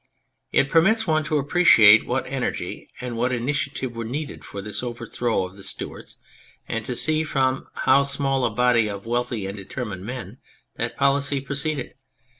It permits one to appreciate what energy and what initiative were needed for the overthrow of the Stuarts, and to see from how small a body of wealthy and determined men that policy proceeded.